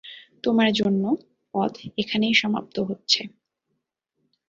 তোমার জন্য, পথ এখানেই সমাপ্ত হচ্ছে!